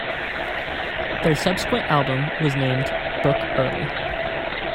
Their subsequent album was named "Book Early".